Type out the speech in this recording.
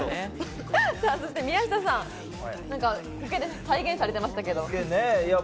そして宮下さん、苔で再現されていましたけれど。